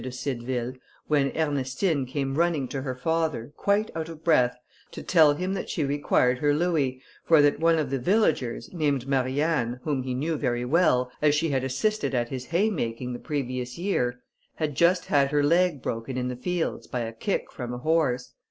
de Cideville, when Ernestine came running to her father, quite out of breath, to tell him that she required her louis, for that one of the villagers, named Marianne, whom he knew very well, as she had assisted at his haymaking the previous year, had just had her leg broken in the fields, by a kick from a horse.